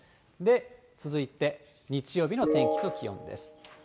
続いて日曜日の天気と気温です。